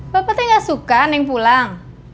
bapak teh gak suka neng pulang